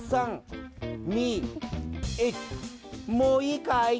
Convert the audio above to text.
もういいかい？